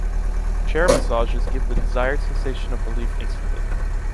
“Chair massages” give the desired sensation of relief instantly.